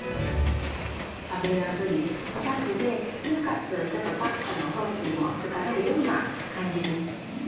食べやすいポタージュで、なおかつ、ちょっとパスタのソースにも使えるような感じで。